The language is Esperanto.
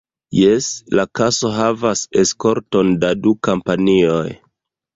Jes: la kaso havas eskorton da du kompanioj.